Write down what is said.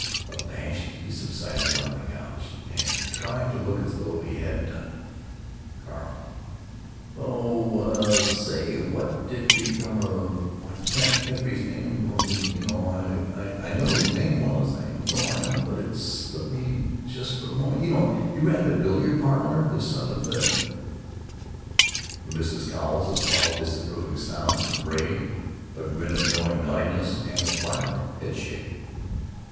Abashed, he subsided on the couch, and, trying to look as though he hadn't done it——) Carl: "Ohhhhh say, whatever did become of——Oh, I can't think of his name——Oh, you know——I know his name well as I do my own, but it's slipped me, just for the moment——You know, he ran the billiard parlor; the son of the——" (From Mrs. Cowles, a small, disapproving sound; from Ray, a grin of knowing naughtiness and a violent head shake.)